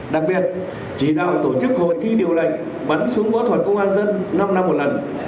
đặc biệt chỉ đạo tổ chức hội thi điều lệnh bắn súng võ thuật công an dân năm năm một lần